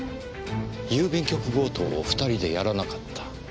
郵便局強盗を２人でやらなかった。